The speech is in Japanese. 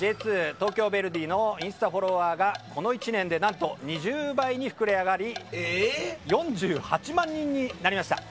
東京ヴェルディのインスタフォロワーがこの１年でなんと２０倍に膨れ上がり４８万人になりました。